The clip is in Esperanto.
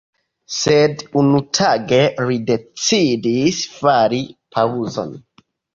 Sed unutage, ri decidis fari paŭzon.